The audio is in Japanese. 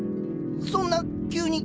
そんな急に。